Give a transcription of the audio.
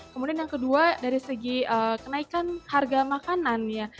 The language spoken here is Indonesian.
kemudian yang kedua dari segi kenaikan harga makanan ya